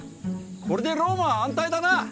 これでローマは安泰だな！